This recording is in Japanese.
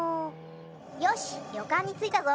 よしりょかんについたぞ。